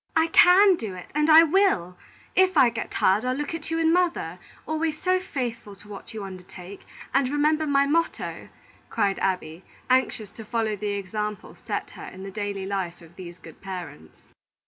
"I can do it, and I will! If I get tired, I'll look at you and mother, always so faithful to what you undertake, and remember my motto," cried Abby, anxious to follow the example set her in the daily life of these good parents.